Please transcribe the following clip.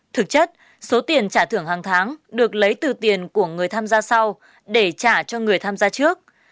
thực chất số tiền trả thưởng hàng tháng được lấy từ tiền của người tham gia sau để trả cho người tham gia trước